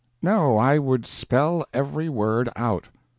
No, I would _spell every word out.